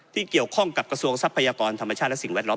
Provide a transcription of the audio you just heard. เกี่ยวข้องกับกระทรวงทรัพยากรธรรมชาติและสิ่งแวดล้อม